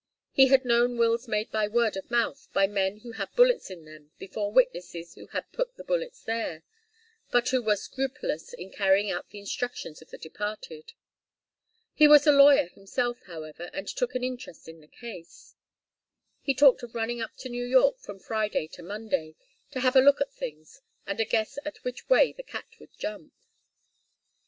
He had known wills made by word of mouth by men who had bullets in them before witnesses who had put the bullets there, but who were scrupulous in carrying out the instructions of the departed. He was a lawyer himself, however, and took an interest in the case. He talked of running up to New York, from Friday to Monday, to have a look at things, and a guess at which way the cat would jump.